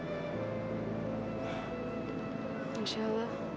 tidak ada capa instinct u asian degrees